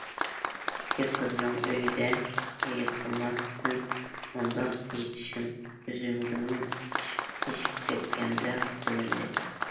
ئىككى قىزنىڭ ئۆيىدە ھېيىقماستىن مۇنداق يېتىشىم ئۆزۈمگىمۇ ئېشىپ كەتكەندەك بىلىندى.